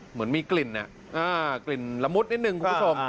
เหมือนมีกลิ่นกลิ่นละมุดนิดนึงคุณผู้ชม